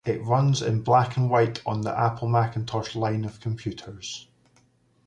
It runs in black-and-white on the Apple Macintosh line of computers.